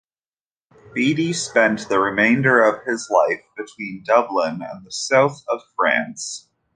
Beatty spent the remainder of his life between Dublin and the south of France.